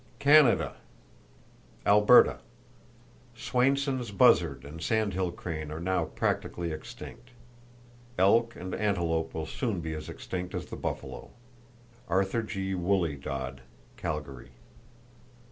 CANADA Alberta: Swainson's buzzard and sandhill crane are now practically extinct. Elk and antelope will soon be as extinct as the buffalo.—(Arthur G. Wooley Dod, Calgary.)